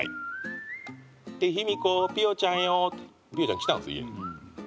「ひみこーぴよちゃんよー」って。ぴよちゃん来たんですよ家に。